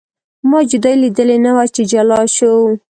ما جدایي لیدلې نه وه چې جلا شو.